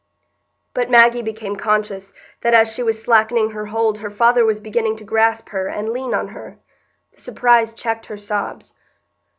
But Maggie became conscious that as she was slackening her hold her father was beginning to grasp her and lean on her. The surprise checked her sobs.